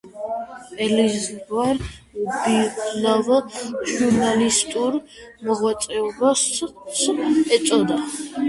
ელიზბარ უბილავა ჟურნალისტურ მოღვაწეობასაც ეწეოდა.